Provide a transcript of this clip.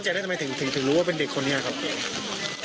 แล้วทำไมถึงถึงรู้ว่าเป็นเด็กคนนี้ครับ